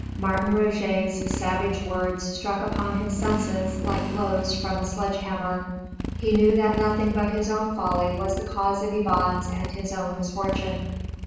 Martin Roget's savage words struck upon his senses like blows from a sledge hammer. He knew that nothing but his own folly was the cause of Yvonne's and his own misfortune.